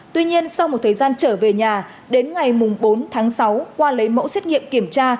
tuy nhiên sau một thời gian trở về nhà đến ngày bốn tháng sáu qua lấy mẫu xét nghiệm kiểm tra